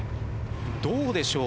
どうでしょう？